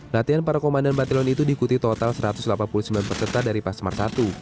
latihan para komandan batilon itu diikuti total satu ratus delapan puluh sembilan peserta dari pasmar i